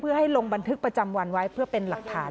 เพื่อให้ลงบันทึกประจำวันไว้เพื่อเป็นหลักฐาน